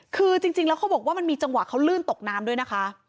คือจริงแล้วเขาบอกว่ามันมีจังหวะเขาลื่นตกน้ำด้วยนะคะ